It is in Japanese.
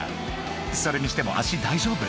それにしても足大丈夫？